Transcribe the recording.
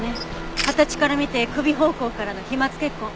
形から見て首方向からの飛沫血痕。